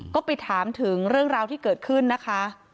ก็ไปถามถึงเรื่องราวที่เกิดขึ้นนะคะ